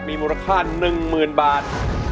มีมูลค่า๑๐๐๐บาท